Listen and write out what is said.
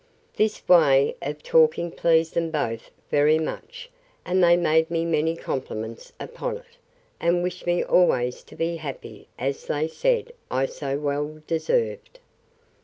This way of talking pleased them both very much; and they made me many compliments upon it, and wished me always to be happy, as, they said, I so well deserved.